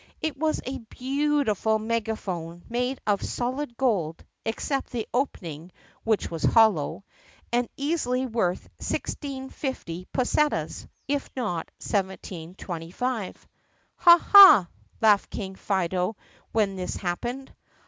It was a beautiful megaphone, made of solid gold (except the opening, which was hollow) and easily worth 1650 pussetas, if not 1725. "Ha! ha!" laughed King Fido when this happened.